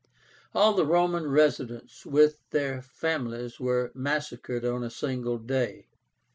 All the Roman residents with their families were massacred on a single day.